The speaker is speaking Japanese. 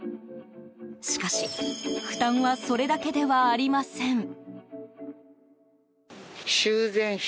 しかし、負担はそれだけではありません。